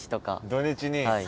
土日に。